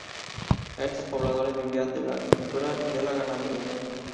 Estos pobladores vivían de la agricultura y de la ganadería.